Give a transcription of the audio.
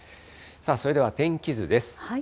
それでは天気図です。